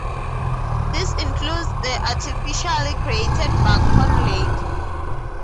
This includes the artificially created Buck Horn Lake.